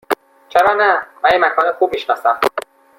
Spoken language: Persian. چرا نه؟ من یک مکان خوب می شناسم.